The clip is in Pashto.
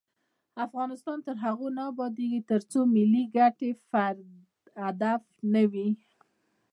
افغانستان تر هغو نه ابادیږي، ترڅو ملي ګټې د فردي هدف نه وي.